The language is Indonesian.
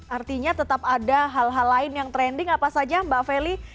artinya tetap ada hal hal lain yang trending apa saja mbak feli